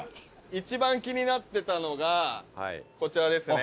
一番気になってたのがこちらですね。